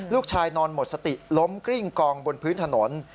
นอนหมดสติล้มกริ้งกองบนพื้นถนน